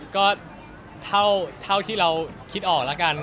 ก็เท่าที่เราคิดออกแล้วกัน